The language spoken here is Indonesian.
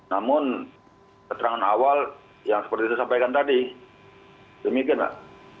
namun keterangan awal yang seperti itu sampaikan tadi demikian mbak